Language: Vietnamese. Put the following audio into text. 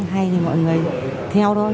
hay thì mọi người theo thôi